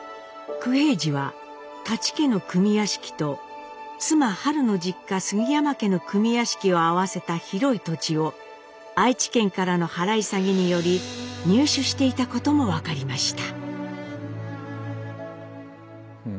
九平治は舘家の組屋敷と妻はるの実家杉山家の組屋敷を合わせた広い土地を愛知県からの払い下げにより入手していたことも分かりました。